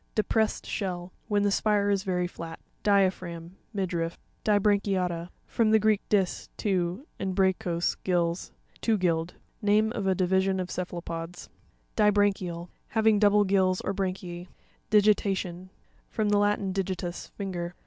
DEPRESSED SHELL.—Whien the spire is very flat. Di'aruracm. —Midriff. Di'srancuta'tTa. — From the Greek, dis, two, and bragchos, gills—two gilled. Name of a division of ce phalopods. Disra'ncurau (di bra'nk eal).— Hav ing double gills or branchie. Dieira'tion.—From the Latin, digi ius, finger.